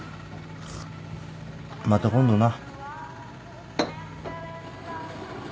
また今度な。